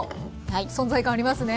存在感ありますね。